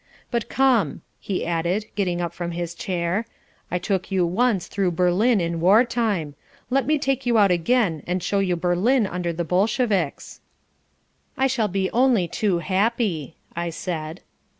But come," he added, getting up from his chair, "I took you once through Berlin in war time. Let me take you out again and show you Berlin under the Bolsheviks." "I shall be only too happy," I said.